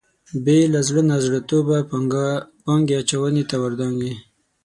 بې له زړه نازړه توبه پانګې اچونې ته ور دانګي.